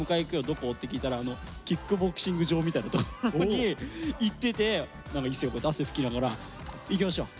どこ？」って聞いたらキックボクシング場みたいな所に行ってて一世がこうやって汗拭きながら「行きましょう！」